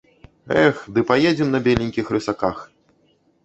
Эх, ды паедзем на беленькіх рысаках.